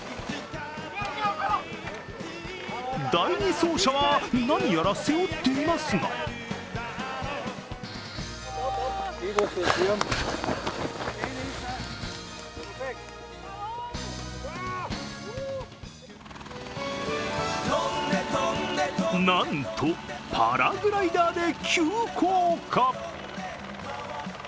第２走者は、何やら背負っていますがなんとパラグライダーで急降下。